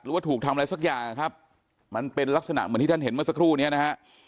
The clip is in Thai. ว่าถูกทำอะไรสักอย่างครับมันเป็นลักษณะเหมือนที่ท่านเห็นเมื่อสักครู่นี้นะฮะ